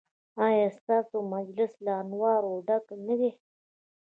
ایا ستاسو مجلس له انوارو ډک نه دی؟